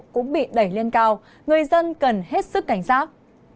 cũng bị đẩy lên cao người dân cần hết sức cảnh giác